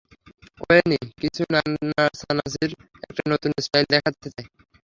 ওয়েনি, কিছু নাচানাচির একটা নতুন স্টাইল দেখাতে চায়।